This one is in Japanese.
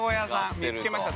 見つけました。